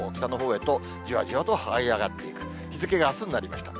日付があすになりました。